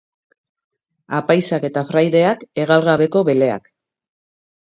Apaizak eta fraideak, hegal gabeko beleak.